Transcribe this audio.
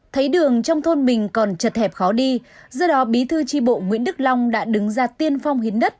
thấy đường trong thôn mình còn chật hẹp khó đi do đó bí thư tri bộ nguyễn đức long đã đứng ra tiên phong hiến đất